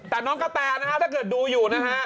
แต่น้องกะแตนะฮะถ้าเกิดดูอยู่นะฮะ